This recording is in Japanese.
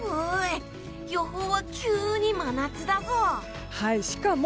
予報は急に真夏だぞ！